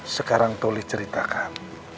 sekarang tuhli ceritakan